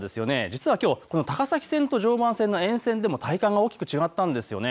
実は高崎線と常磐線の沿線でも体感が大きく違ったんです。